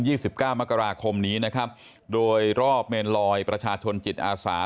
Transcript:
สิบเก้ามกราคมนี้นะครับโดยรอบเมนลอยประชาชนจิตอาสา